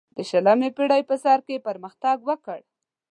د شلمې پیړۍ په سر کې پرمختګ وکړ.